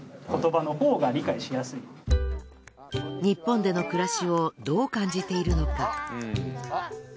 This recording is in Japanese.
日本での暮らしをどう感じているのか。